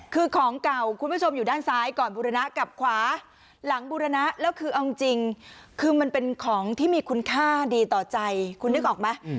คือของเก่าคุณผู้ชมอยู่ด้านซ้ายก่อนบุรณะกับขวาหลังบุรณะแล้วคือเอาจริงคือมันเป็นของที่มีคุณค่าดีต่อใจคุณนึกออกไหม